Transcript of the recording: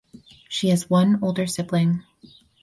She has one older sibling.